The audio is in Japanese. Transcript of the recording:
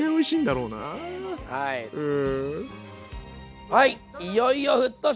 うん。